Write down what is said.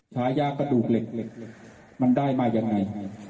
ฉายากระดูกเหล็กมันได้มายังไง